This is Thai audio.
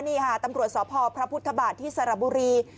นี่ตำรวจสอบพอร์พระพุทธบาทที่สระบุรี